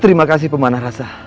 terima kasih pemanah rasa